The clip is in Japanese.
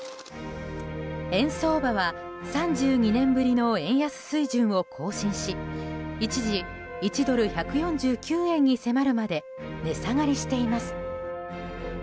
円相場は３２年ぶりの円安水準を更新し一時１ドル＝１４９円に迫るまで値下がりしています。